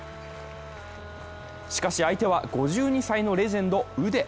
しかし相手は５２歳のレジェンド・ウデ。